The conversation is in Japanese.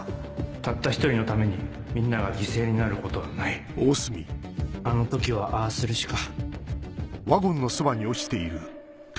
たった１人のためにみんなが犠牲になるこあの時はああするしか。